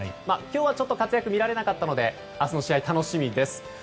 今日はちょっと活躍は見られなかったので明日の試合、楽しみです。